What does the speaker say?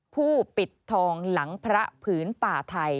ผู้ปิดทองหลังพระผืนป่าไทย